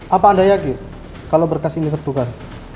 apa anda yakin kalau berkas ini tertukar